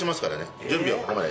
準備はここまで。